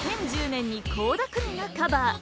２０１０年に倖田來未がカバー。